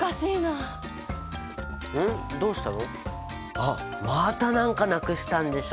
あっまた何かなくしたんでしょ？